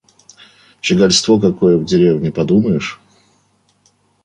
Щегольство какое в деревне, подумаешь!